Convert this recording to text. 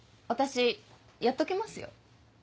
私やっときますよ。